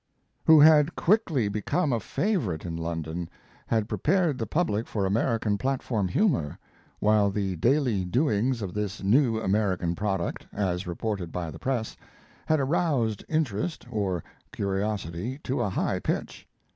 ] who had quickly become a favorite in London, had prepared the public for American platform humor, while the daily doings of this new American product, as reported by the press, had aroused interest, or curiosity, to a high pitch.